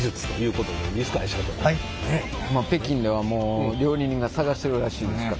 北京ではもう料理人が捜してるらしいですからね。